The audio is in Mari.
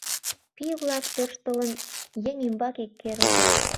Пий-влак, тӧрштылын, еҥ ӱмбаке керылтыч.